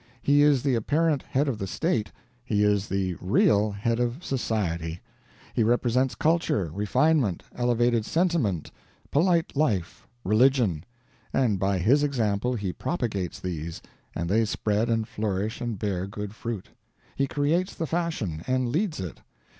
He is the apparent head of the State, he is the real head of Society. He represents culture, refinement, elevated sentiment, polite life, religion; and by his example he propagates these, and they spread and flourish and bear good fruit. He creates the fashion, and leads it.